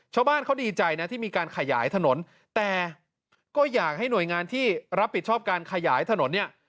ชาวบ้านเขาดีใจนะที่มีการขยายถนนแต่ก็อยากให้หน่วยงานที่รับผิดชอบการขยายถนนเนี่ย